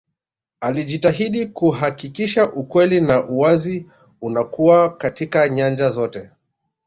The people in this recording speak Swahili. alijitahidi kuhakikisha ukweli na uwazi unakuwa katika nyanja zote